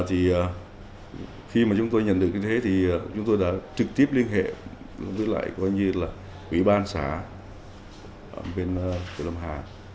thì khi mà chúng tôi nhận được như thế thì chúng tôi đã trực tiếp liên hệ với lại coi như là ủy ban xã bên quận lâm hà